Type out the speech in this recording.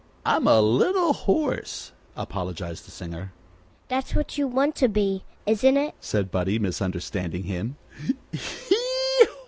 "I'm a little hoarse," apologized the singer. "That's what you want to be, isn't it?" said Buddie, misunderstanding him.